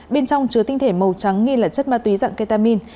bên trong chứa tinh thể màu trắng nghi là chất ma túy dạng ketamin